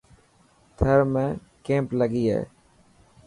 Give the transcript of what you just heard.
ٿر ۾ ڪيمپ لگي هي.